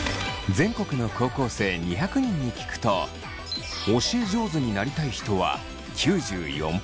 全国の高校生２００人に聞くと教え上手になりたい人は９４％。